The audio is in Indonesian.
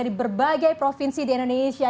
di berbagai provinsi di indonesia